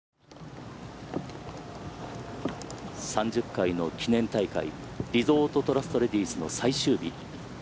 ３０回の記念大会リゾートトラストレディスの最終日。